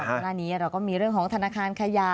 หน้านี้เราก็มีเรื่องของธนาคารขยะ